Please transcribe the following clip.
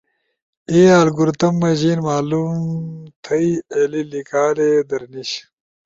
ای الگورتھم مشین معلوم تھئی ایلی لیکالی در نیِش۔